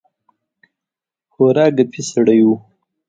خورا ګپي سړی وو.